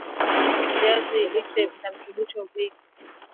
viazi lishe vina virutubisho vingi